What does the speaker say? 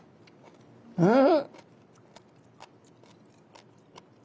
うん。